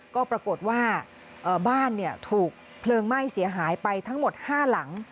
ก็ปรากฏว่าบ้านถูกเพลิงไหม้เสียหายไปทั้งหมด๕หลัง